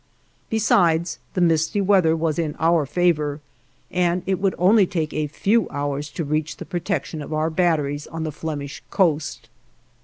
Besides the misty weather was in our favor, and it would only take a few hours to reach the protection of our batteries on the Flemish coast.